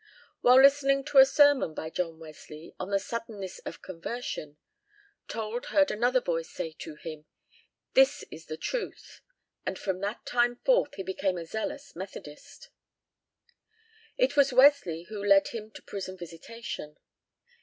While listening to a sermon by John Wesley on the suddenness of conversion, Told heard another voice say to him, "This is the truth," and from that time forth he became a zealous Methodist. It was Wesley who led him to prison visitation.